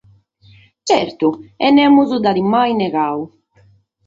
Tzertu, e nemos dd’at mai negadu.